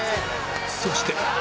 そして